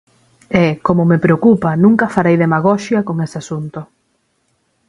E, como me preocupa, nunca farei demagoxia con ese asunto.